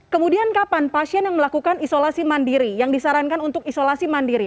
kemudian kapan pasien yang melakukan isolasi mandiri yang disarankan untuk isolasi mandiri